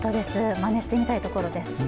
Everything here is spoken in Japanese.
まねしてみたいところです。